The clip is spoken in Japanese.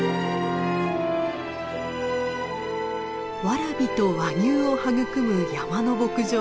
ワラビと和牛を育む山の牧場。